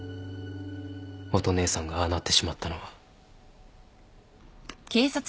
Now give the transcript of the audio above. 乙姉さんがああなってしまったのは。